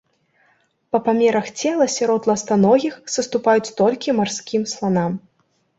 Па памерах цела сярод ластаногіх саступаюць толькі марскім сланам.